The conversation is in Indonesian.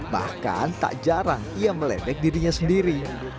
bahkan tak jarang ia meledek dirinya sendiri